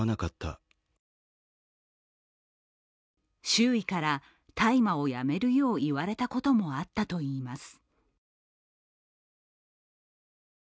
周囲から、大麻をやめるよう言われたこともあったといいます。